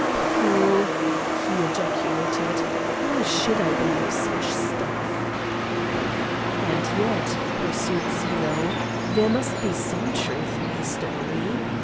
"Pooh!" he ejaculated; "why should I believe such stuff?" "And yet," pursued Zeno, "there must be some truth in the story.